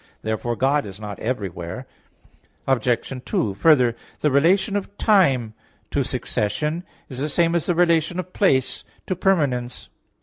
Therefore God is not everywhere. Obj. 2: Further, the relation of time to succession is the same as the relation of place to permanence.